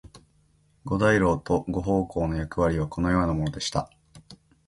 五大老と五奉行の役割はこのようなものでした。